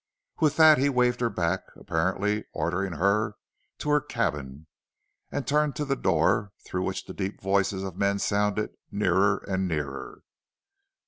With that he waved her back, apparently ordering her to her cabin, and turned to the door, through which the deep voices of men sounded nearer and nearer.